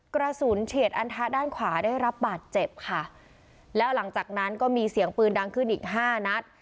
เฉียดอันทะด้านขวาได้รับบาดเจ็บค่ะแล้วหลังจากนั้นก็มีเสียงปืนดังขึ้นอีกห้านัด